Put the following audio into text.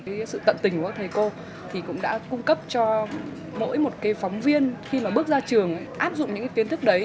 cái sự tận tình của các thầy cô thì cũng đã cung cấp cho mỗi một cái phóng viên khi mà bước ra trường áp dụng những cái kiến thức đấy